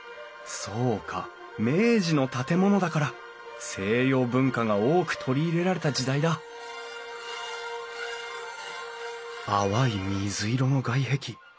そうか明治の建物だから西洋文化が多く取り入れられた時代だ淡い水色の外壁。